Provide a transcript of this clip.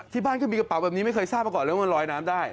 ที่บ้านก็มีกระเป๋าแบบนี้ไม่เคยทราบมาก่อนเลยว่ามันลอยน้ำได้